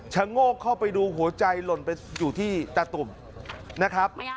โงกเข้าไปดูหัวใจหล่นไปอยู่ที่ตาตุ่มนะครับ